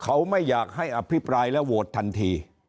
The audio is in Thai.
เขาไม่อยากให้อภิปรายและโหวตทันที